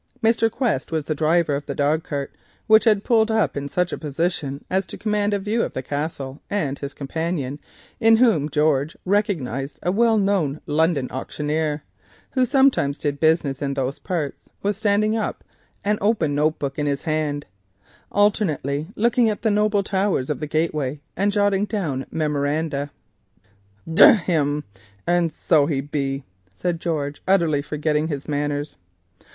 Mr. Quest was the driver of the dog cart, which he had pulled up in such a position as to command a view of the Castle, and his companion—in whom George recognised a well known London auctioneer who sometimes did business in these parts—was standing up, an open notebook in his hand, alternately looking at the noble towers of the gateway and jotting down memoranda. "Damn 'em, and so they be," said George, utterly forgetting his manners.